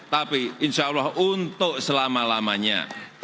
tapi insyaallah untuk selama lamanya